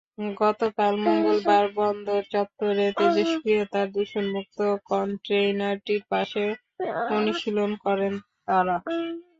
গতকাল মঙ্গলবার বন্দর চত্বরে তেজস্ক্রিয়তার দূষণযুক্ত কনটেইনারটির পাশে অনুশীলন করেন তাঁরা।